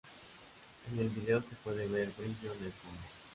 En el video se puede ver brillo en el fondo.